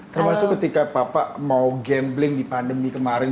termasuk ketika bapak mau gambling di pandemi kemarin